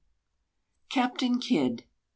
=Captain Kidd=.